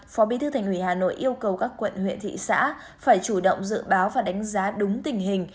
phó bí thư thành ủy hà nội yêu cầu các quận huyện thị xã phải chủ động dự báo và đánh giá đúng tình hình